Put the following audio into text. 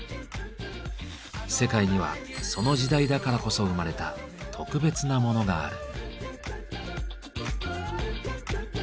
世界にはその時代だからこそ生まれた特別なモノがある。